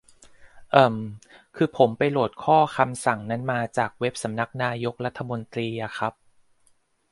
เอิ่ม คือ ผมไปโหลดข้อคำสั่งนั้นมาจากเว็บสำนักนายกรัฐมนตรีอะครับ